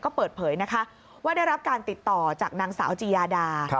ก็เปิดเผยนะคะว่าได้รับการติดต่อจากนางสาวจียาดา